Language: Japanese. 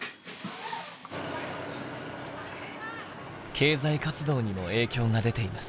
経済活動にも影響が出ています。